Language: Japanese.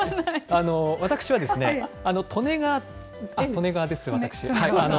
私は利根川です、私。